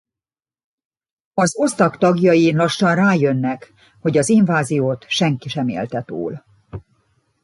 Az osztag tagjai lassan rájönnek hogy az inváziót senki sem élte túl.